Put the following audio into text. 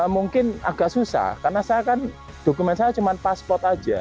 mungkin agak susah karena dokumen saya cuma pasport saja